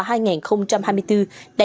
đều sẽ được phát huy